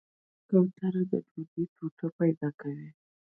کوتره د ډوډۍ ټوټه پیدا کوي.